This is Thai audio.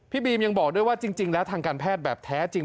บีมยังบอกด้วยว่าจริงแล้วทางการแพทย์แบบแท้จริง